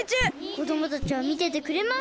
こどもたちはみててくれます！